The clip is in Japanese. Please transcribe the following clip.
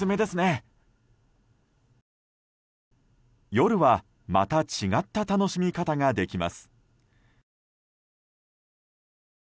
夜はまた違った楽しみ方ができます。